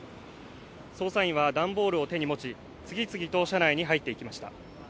捜査員は段ボールを手に持ち次々と社内に入っていきました